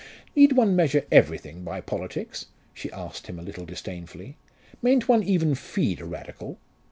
"Need one measure everything by politics?" she asked him a little disdainfully. "Mayn't one even feed a Radical?"